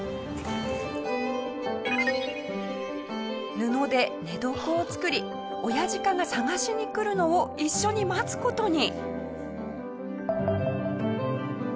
布で寝床を作り親鹿が捜しに来るのを一緒に待つ事に。